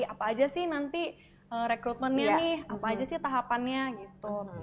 apa aja sih nanti rekrutmennya nih apa aja sih tahapannya gitu